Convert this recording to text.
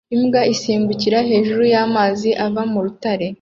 Imbwa isimbukira hejuru y'amazi ava mu rutare